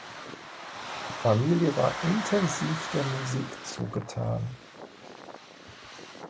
Die Familie war intensiv der Musik zugetan.